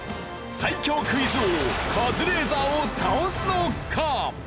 最強クイズ王カズレーザーを倒すのか？